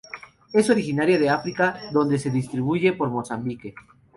Es originaria de África donde se distribuye por Mozambique.